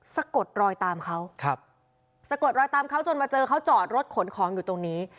สะกดรอยตามเขาครับสะกดรอยตามเขาจนมาเจอเขาจอดรถขนของอยู่ตรงนี้